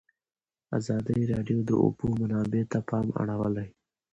ازادي راډیو د د اوبو منابع ته پام اړولی.